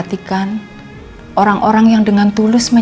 silahkan mbak rissa